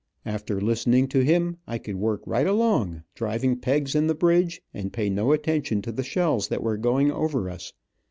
After listening to him, I could work right along, driving pegs in the bridge, and pay no attention to the shells that were going over us.